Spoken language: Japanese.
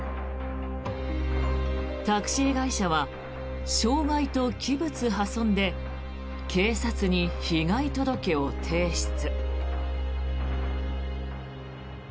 タクシー会社は傷害と器物破損で警察に被害届を提出。